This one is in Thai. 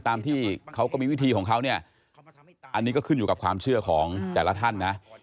ตามที่เขาก็มีวิธีของเขาเนี่ยอันนี้ก็ขึ้นอยู่กับความเชื่อของแต่ละท่านนะ